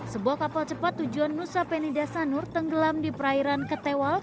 sebuah kapal cepat tujuan nusa penida sanur tenggelam di perairan ketewal